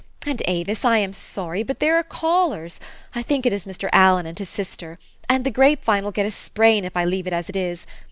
And, Avis, I am sorry ; but there are callers : I think it is Mr. Allen and his sister ; and the grape vine will get a sprain if I leave it as it is.